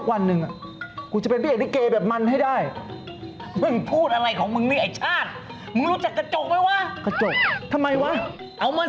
กระโจกเอามาส่องทำไมวะอ่า